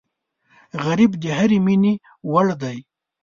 غریب د هرې مینې وړ دی